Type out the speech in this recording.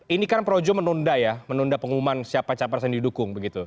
ini kan projo menunda ya menunda pengumuman siapa capres yang didukung begitu